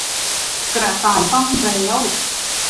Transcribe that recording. กระต่ายต้องแร้ว